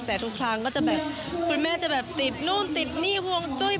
แต่ทุกครั้งก็จะแบบคุณแม่จะแบบติดนู่นติดหนี้ห่วงจุ้ย